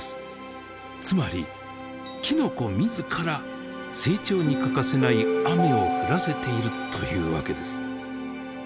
つまりきのこ自ら成長に欠かせない雨を降らせているというわけです。